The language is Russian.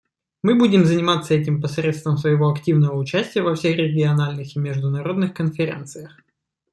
Мы будем заниматься этим посредством своего активного участия во всех региональных и международных конференциях.